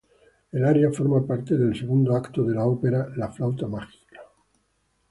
El aria forma parte del segundo acto de la ópera La flauta mágica.